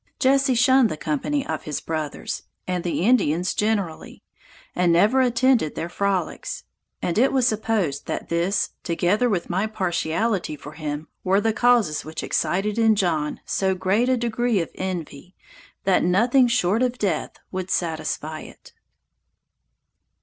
Jesse shunned the company of his brothers, and the Indians generally; and never attended their frolics; and it was supposed that this, together with my partiality for him, were the causes which excited in John so great a degree of envy, that nothing short of death would satisfy it.